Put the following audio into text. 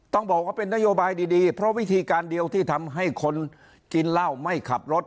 ต้องบอกว่าเป็นนโยบายดีเพราะวิธีการเดียวที่ทำให้คนกินเหล้าไม่ขับรถ